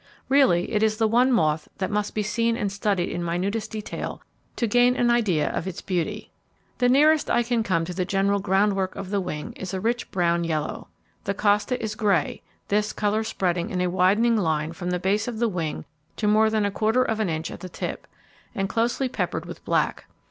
Really, it is the one moth that must be seen and studied in minutest detail to gain an idea of its beauty. The nearest I can come to the general groundwork of the wing is a rich brown yellow. The costa is grey, this colour spreading in a widening line from the base of the wing to more than a quarter of an inch at the tip, and closely peppered with black.